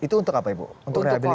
itu untuk apa ibu